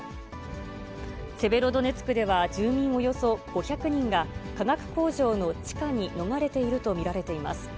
セベロドネツクでは、住民およそ５００人が、化学工場の地下に逃れていると見られています。